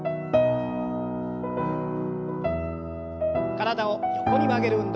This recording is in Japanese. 体を横に曲げる運動。